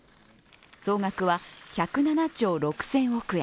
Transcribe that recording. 総額は１０７兆６０００億円。